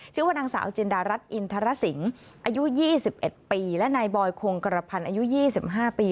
ชื่อว่านางสาวจินดารัฐอินทรสิงศ์อายุ๒๑ปีและนายบอยคงกระพันธ์อายุ๒๕ปี